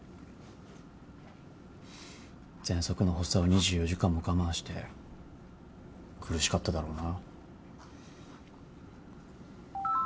ぜんそくの発作を２４時間も我慢して苦しかっただろうな。